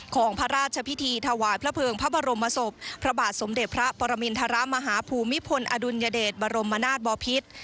ของพระราชพิธีถวายพระเภิงพระบรมศพพระบาทสมเด็จพระปรมินทรมาฮภูมิพลอดุลยเดชบรมนาศบอพิษ